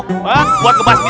hah buat kebiasaan